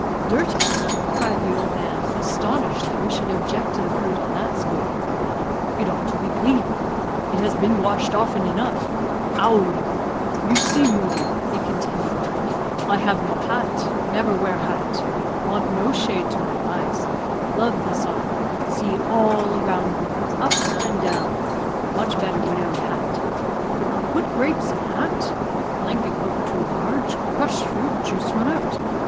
"Dirty!" cried the old man, astonished that we should object to the fruit on that score. "It ought to be clean; it has been washed often enough. Owgh! You see, Moodie," he continued, "I have no hat never wear hat want no shade to my eyes love the sun see all around me up and down much better widout hat. Could not put grapes in hat blanket coat too large, crush fruit, juice run out.